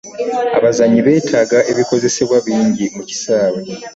Abazannyi betaaga ebikozesebwa bingi mu kisaawe.